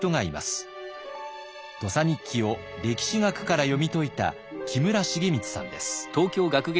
「土佐日記」を歴史学から読み解いた木村茂光さんです。